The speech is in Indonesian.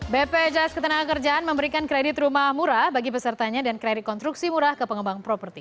bpjs ketenagakerjaan memberikan kredit rumah murah bagi pesertanya dan kredit konstruksi murah ke pengembang properti